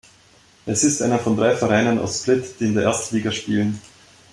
Es ist einer von drei Vereinen aus Split, die in der ersten Liga spielen.